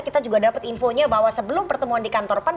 kita juga dapat infonya bahwa sebelum pertemuan di kantor pan